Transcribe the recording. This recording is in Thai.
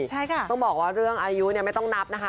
ต้องบอกว่าเรื่องอายุไม่ต้องนับนะคะ